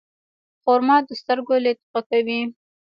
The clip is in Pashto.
خرما د سترګو لید ښه کوي.